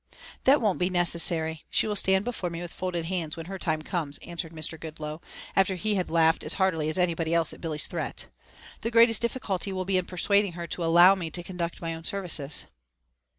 "That won't be necessary. She will stand before me with folded hands when her time comes," answered Mr. Goodloe, after he had laughed as heartily as anybody else at Billy's threat. "The greatest difficulty will be in persuading her to allow me to conduct my own services."